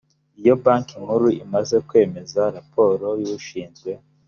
iyo banki nkuru imaze kwemeza raporo y ushinzwe